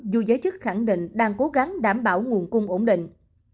dù giới chức khẳng định đang cố gắng đảm bảo nguồn cung ổn định